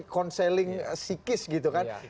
konseling psikis gitu kan